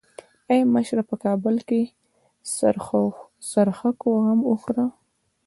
ای مشره په کابل کې د څرخکو غم وخوره.